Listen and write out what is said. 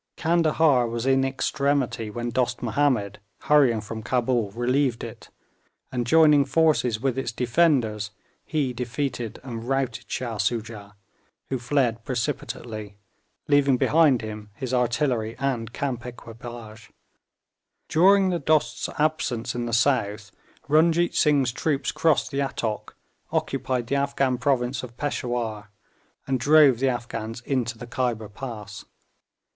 Candahar was in extremity when Dost Mahomed, hurrying from Cabul, relieved it, and joining forces with its defenders, he defeated and routed Shah Soojah, who fled precipitately, leaving behind him his artillery and camp equipage, During the Dost's absence in the south, Runjeet Singh's troops crossed the Attock, occupied the Afghan province of Peshawur, and drove the Afghans into the Khyber Pass.